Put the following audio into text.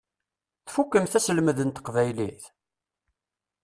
Tfukkemt aselmed n teqbaylit?